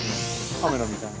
カメラみたいの。